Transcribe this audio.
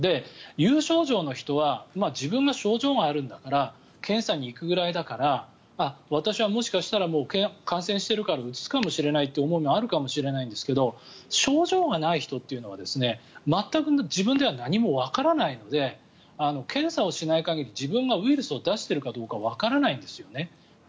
有症状の人は自分が症状があるんだから検査に行くぐらいだから私はもしかしたらもう感染しているからうつすかもしれないという思いがあるかもしれないんですが症状がない人というのは全く自分では何もわからないので検査をしない限り自分がウイルスを出しているかどうかわからないんですよね。